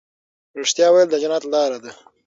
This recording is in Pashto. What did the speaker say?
رښتیا ویل د جنت لار ده.